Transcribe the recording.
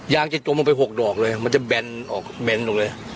ยางจะจมมันไปหกดอกเลยมันจะแบนออกแบนออกเลย